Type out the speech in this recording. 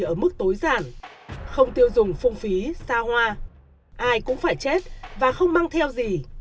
ở mức tối giản không tiêu dùng phung phí xa hoa ai cũng phải chết và không mang theo gì